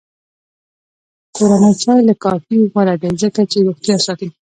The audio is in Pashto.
کورنی چای له کافي غوره دی، ځکه چې روغتیا ساتي.